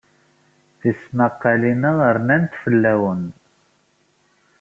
Tismaqqalin-a rnant fell-awen.